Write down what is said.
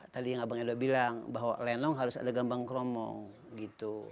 tadi yang abang edok bilang bahwa lenong harus ada gambar gambar